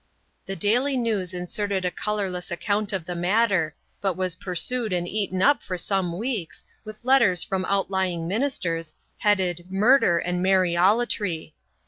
The Daily News inserted a colourless account of the matter, but was pursued and eaten up for some weeks, with letters from outlying ministers, headed "Murder and Mariolatry."